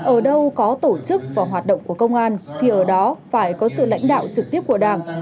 ở đâu có tổ chức và hoạt động của công an thì ở đó phải có sự lãnh đạo trực tiếp của đảng